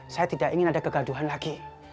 saya tidak ingin ada kegaduhan lagi